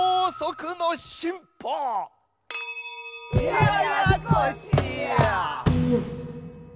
ややこしや！